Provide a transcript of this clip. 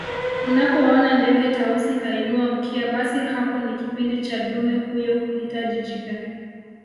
Unapoona ndege Tausi kainua mkia basi hapo ni kipindi cha dume huyo kuhitaji jike